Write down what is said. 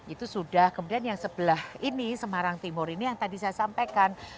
itu sudah kemudian yang sebelah ini semarang timur ini yang tadi saya sampaikan